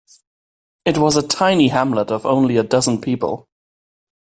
It was a tiny hamlet of only a dozen people.